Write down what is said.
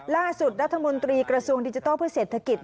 รัฐมนตรีกระทรวงดิจิทัลเพื่อเศรษฐกิจ